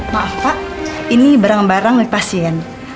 maaf pak ini barang barang milik pasien